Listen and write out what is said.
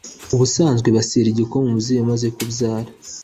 ubusanzwe basera igikoma umubyeyi umaze kubyara